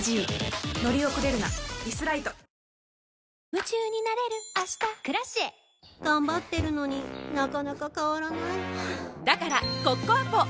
夢中になれる明日「Ｋｒａｃｉｅ」頑張ってるのになかなか変わらないはぁだからコッコアポ！